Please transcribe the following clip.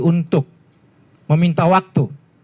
untuk meminta waktu